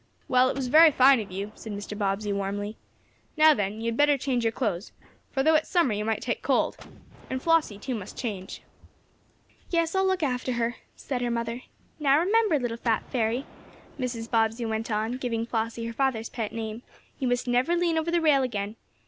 "Well, it was very fine of you," said Mr. Bobbsey, warmly. "Now then, you had better change your clothes, for, though it is summer, you might take cold. And Flossie, too, must change." "Yes, I'll look after her," said her mother "Now remember, little fat fairy," Mrs. Bobbsey went on, giving Flossie her father's pet name, "you must never lean over the rail again.